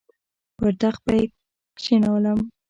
پر تخت به یې کښېنوم.